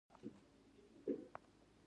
بومي بربر له عربو سره اخښلي راخښلي دي.